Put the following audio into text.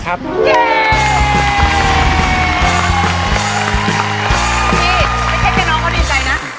ที่น้องก็ดื่มใจนะ